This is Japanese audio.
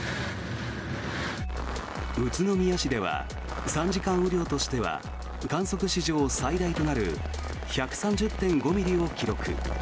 宇都宮市では３時間雨量としては観測史上最大となる１３０．５ミリを記録。